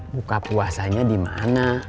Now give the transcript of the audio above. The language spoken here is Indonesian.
buka puasanya di mana